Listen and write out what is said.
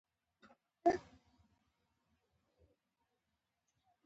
استاد بینوا د ستونزو ریښې پېژندلي.